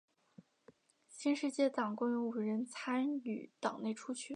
新世界党共有五人参与党内初选。